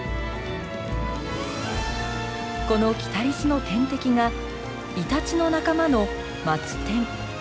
このキタリスの天敵がイタチの仲間のマツテン。